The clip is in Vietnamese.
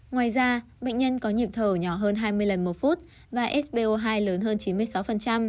ngoài ra bệnh nhân có nhịp thở nhỏ hơn hai mươi lần một phút và sbo hai lớn hơn chín mươi sáu